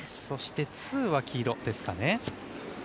そしてツーは黄色ですかね。